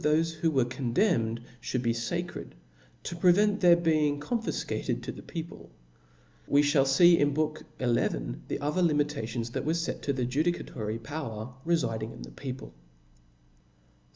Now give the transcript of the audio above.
ciuip^ thofe who were condemned, fhoald be facred, to prevent their being confifcatcd to the people, Wc Ihall fee in the Xlth book, the other limitations that were fet to the judicatory power refiding in the people.